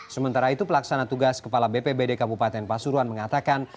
sementara itu pelaksana tugas kepala bpbd kabupaten pasuruan mengatakan